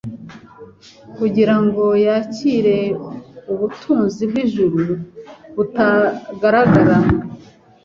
kugira ngo yakire ubutunzi bw'ijuru butagaragara,